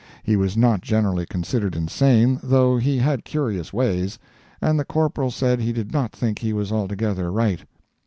He was not generally considered insane, though he had curious ways, and the Corporal said he did not think he was altogether right.